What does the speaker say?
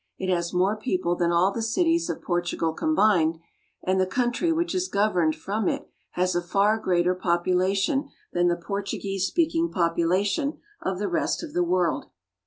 It has more peo ple than all the cities of Portugal combined, and the coun try which is governed from it has a far greater population than the Portuguese speaking population of the rest of the world.